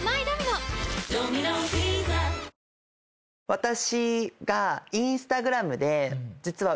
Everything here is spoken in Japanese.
私が。